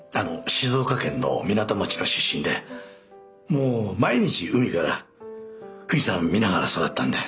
静岡県の港町の出身でもう毎日海から富士山見ながら育ったんで。